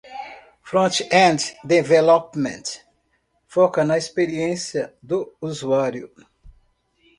Front-end Development foca na experiência do usuário.